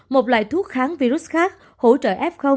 một loại thuốc kháng virus khác hỗ trợ f